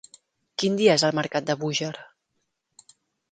Quin dia és el mercat de Búger?